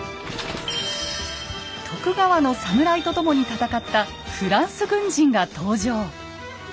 徳川のサムライと共に戦ったフランス軍人が登場。